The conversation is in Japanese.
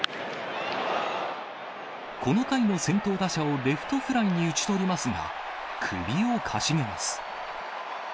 この回の先頭打者をレフトフライに打ち取りますが、首をかしげます。